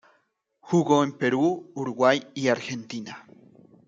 Jugó en el Perú, Uruguay y Argentina.